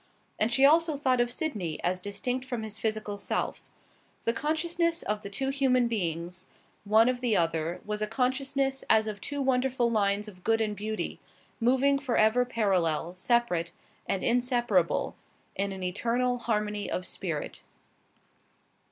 And she also thought of Sydney as distinct from his physical self. The consciousness of the two human beings, one of the other, was a consciousness as of two wonderful lines of good and beauty, moving for ever parallel, separate, and inseparable in an eternal harmony of spirit.